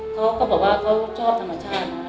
เขาก็บอกว่าเขาชอบธรรมชาตินะ